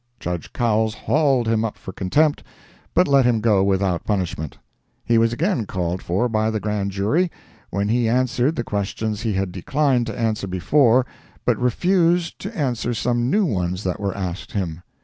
Judge Cowles hauled him up for contempt, but let him go without punishment. He was again called for by the Grand Jury, when he answered the questions he had declined to answer before, but refused to answer some new ones that were asked him.